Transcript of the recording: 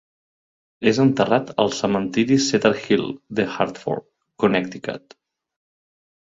És enterrat al cementiri Cedar Hill de Hartford, Connecticut.